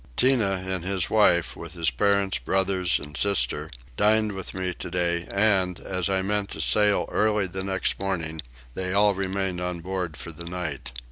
Tinah and his wife, with his parents, brothers, and sister, dined with me today and, as I meant to sail early the next morning, they all remained on board for the night.